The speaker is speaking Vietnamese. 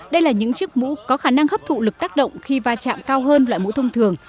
đây là những chiếc mũ có khả năng hấp thụ lực tác động khi va chạm cao hơn loại mũ thông thường